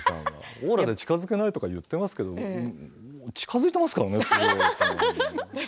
オーラで近づけないと言ってますけれど近づいてますからね。